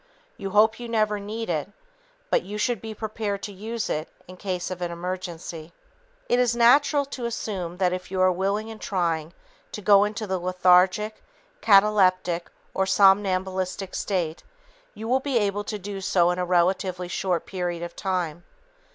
You hope you never need it, but you should be prepared to use it in case of an emergency. It is natural to assume that if you are willing and trying to go into the lethargic, cataleptic or somnambulistic state, you will be able to do so in a relatively short period of time.